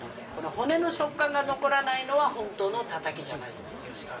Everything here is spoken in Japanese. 骨の食感が残らないのは本当のたたきじゃないんです。